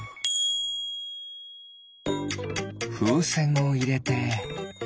ふうせんをいれて。